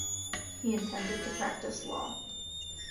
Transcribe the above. He intended to practise law.